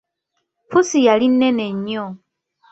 Pussi yali nnene nnyo.